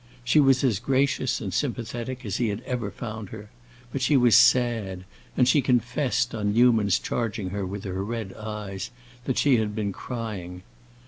She was as gracious and sympathetic as he had ever found her, but she was sad, and she confessed, on Newman's charging her with her red eyes, that she had been crying.